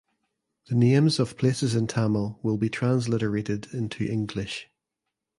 The names of places in Tamil will be transliterated into English.